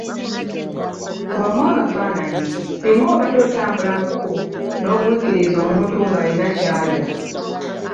Kubamu akafaananyi singa obadde otambula mu kkubo nogwikiriza omuntu ng'alina kyalya.